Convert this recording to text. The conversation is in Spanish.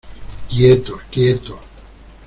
¡ quietos!... ¡ quietos !...